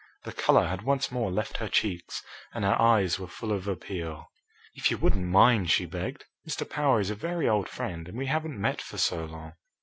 The colour had once more left her cheeks and her eyes were full of appeal. "If you wouldn't mind?" she begged. "Mr. Power is a very old friend and we haven't met for so long."